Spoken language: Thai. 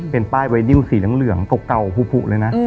เป็นป้ายไวดิวสีเหลืองเก่าผูเลยนะ